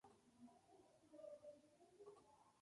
Falleció en Estocolmo.